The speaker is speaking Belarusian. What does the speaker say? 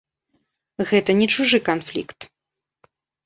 Гэта не чужы канфлікт.